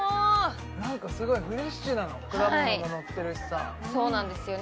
なんかすごいフレッシュなの果物ものってるしさそうなんですよね